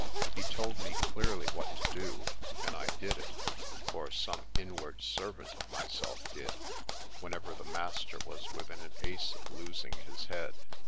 He told me clearly what to do, and I did it, or some inward servant of myself did, whenever the master was within an ace of losing his head.